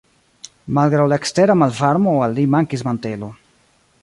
Malgraŭ la ekstera malvarmo al li mankis mantelo.